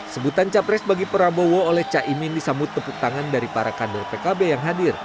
sebutan capres bagi prabowo oleh caimin disambut tepuk tangan dari para kader pkb yang hadir